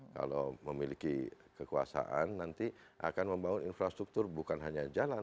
kalau memiliki kekuasaan nanti akan membangun infrastruktur bukan hanya jalan